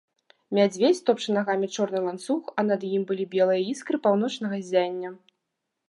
Мядзведзь топча нагамі чорны ланцуг, а над ім былі белыя іскры паўночнага ззяння.